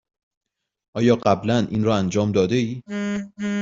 آیا قبلا این را انجام داده ای؟